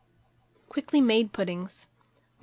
QUICKLY MADE PUDDINGS. 1366.